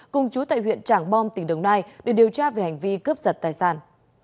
cùng chú tại huyện trảng bom tỉnh đồng nai để điều tra về hành vi cướp giật tài sản